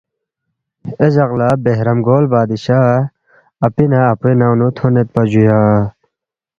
اے جق لہ بہرام گول بادشاہ اپی نہ اپوے ننگ نُو تھونیدپا جُویا